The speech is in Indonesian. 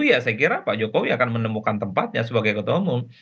ya saya kira pak jokowi akan menemukan tempatnya sebagai ketua umum